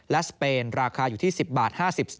และสเปนราคาอยู่ที่๑๐๕๐บาท